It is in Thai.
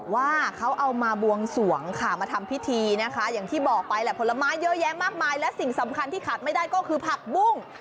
ว่าเขาเอามาบวงสวงค่ะมาทำพิธีนะคะอย่างที่บอกไปแหละผลไม้เยอะแยะมากมายและสิ่งสำคัญที่ขาดไม่ได้ก็คือผักบุ้ง